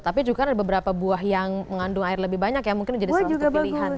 tapi juga ada beberapa buah yang mengandung air lebih banyak ya mungkin jadi salah satu pilihan